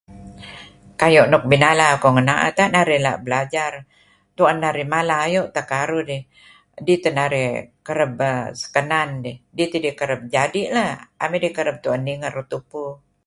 Kayu' nuk binala kuh ngina'ah, utak narih la' belajar tu'en narih mala ayu' teh karuh dih, dih teh narih kereb err sekenan dih tidih kereb jadi' lah am idih kereb tu'en ninger tupu.